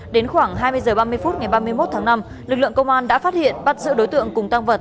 đến khoảng hai mươi h ba mươi phút ngày ba mươi một tháng năm lực lượng công an đã phát hiện bắt giữ đối tượng cùng tăng vật